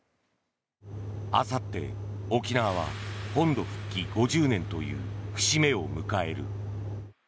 あさって、沖縄は本土復帰５０年という節目を迎える。